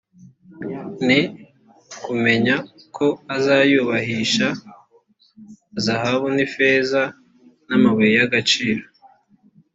ni ukumenya ko azayubahisha zahabu n’ifeza n’amabuye y ‘gaciro